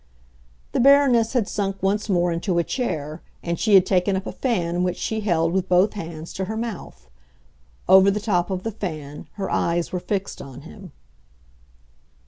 The Baroness had sunk once more into a chair, and she had taken up a fan which she held, with both hands, to her mouth. Over the top of the fan her eyes were fixed on him.